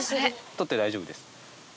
取って大丈夫です。